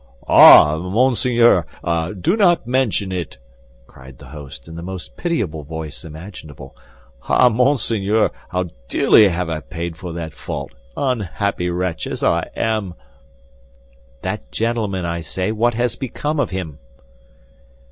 "Ah, monseigneur, do not mention it!" cried the host, in the most pitiable voice imaginable. "Ah, monseigneur, how dearly have I paid for that fault, unhappy wretch as I am!" "That gentleman, I say, what has become of him?"